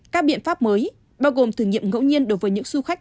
các biện pháp mới bao gồm thử nghiệm ngẫu nhiên đối với những du khách